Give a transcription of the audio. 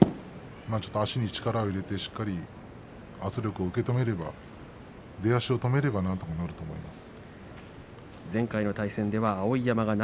足に力入れてしっかり圧力を受け止めれば出足を止めればなんとかなると思います。